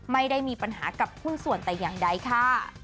ไม่ได้มีปัญหากับหุ้นส่วนแต่อย่างใดค่ะ